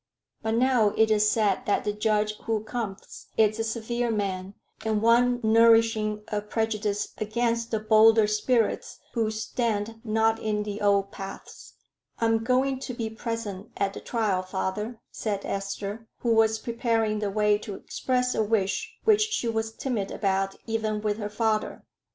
But now it is said that the judge who cometh is a severe man, and one nourishing a prejudice against the bolder spirits who stand not in the old paths." "I am going to be present at the trial, father," said Esther, who was preparing the way to express a wish, which she was timid about even with her father.